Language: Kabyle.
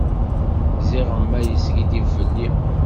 Ziɣemma yeskiddib fell-i.